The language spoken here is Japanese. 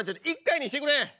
１回にしてくれ。